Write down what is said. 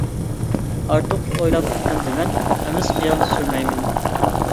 ئارتۇق ئويلاپ ئەمدى مەن-ئەمەس خىيال سۈرمەيمەن.